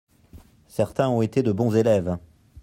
Certains ont été de bons élèves.